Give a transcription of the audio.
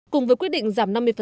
cùng với quyết định giảm năm mươi